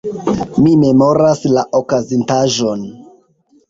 Mi memoras la okazintaĵon.